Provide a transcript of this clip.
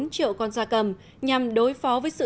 bốn triệu con da cầm nhằm đối phó với sự phá hủy